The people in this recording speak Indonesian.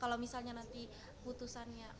kalau misalnya nanti putusannya